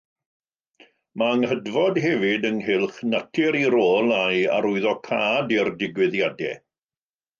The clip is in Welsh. Mae anghydfod hefyd ynghylch natur ei rôl a'i arwyddocâd i'r digwyddiadau.